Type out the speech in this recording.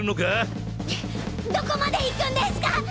どこまで行くんですか？